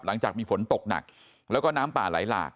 หลังจากมีฝนตกหนักแล้วก็น้ำป่าไหลหลาก